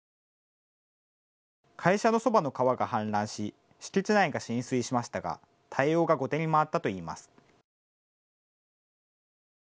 会社のそばの川が氾濫し敷地内が浸水しましたが対応が後手に回ったといいます。